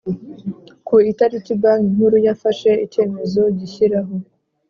ku itariki Banki Nkuru yafashe icyemezo gishyiraho